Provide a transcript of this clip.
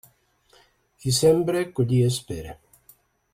Qui sembra, collir espera.